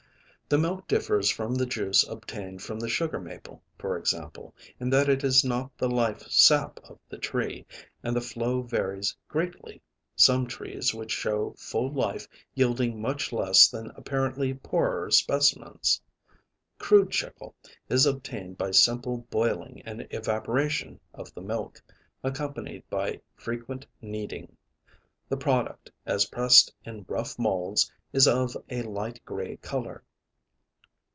The milk differs from the juice obtained from the sugar maple, for example, in that it is not the life sap of the tree, and the flow varies greatly, some trees which show full life yielding much less than apparently poorer specimens. "Crude chicle" is obtained by simple boiling and evaporation of the milk, accompanied by frequent kneading. The product, as pressed in rough molds, is of a light gray color.